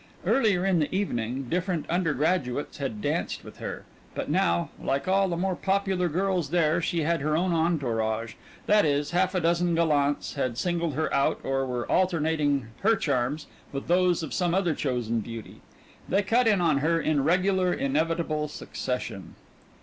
Earlier in the evening different under graduates had danced with her, but now, like all the more popular girls there, she had her own entourage that is, half a dozen gallants had singled her out or were alternating her charms with those of some other chosen beauty; they cut in on her in regular, inevitable succession.